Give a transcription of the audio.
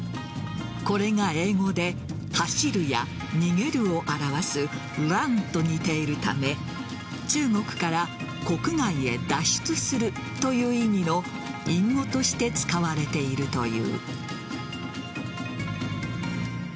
これが英語で走るや逃げるを表すＲＵＮと似ているため中国から国外へ脱出するという意味の隠語として使われているという。